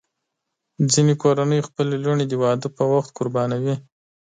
ځینې کورنۍ خپلې لوڼې د واده پر وخت قربانوي.